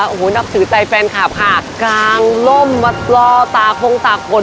โอ้โหนับถือใจแฟนคลับค่ะกางร่มมารอตากพงตากฝน